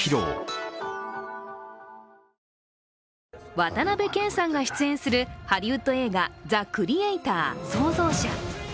渡辺謙さんが出演するハリウッド映画「ザ・クリエイター／創造者」。